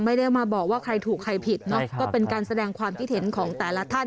ไม่ได้มาบอกว่าใครถูกใครผิดเนาะก็เป็นการแสดงความคิดเห็นของแต่ละท่าน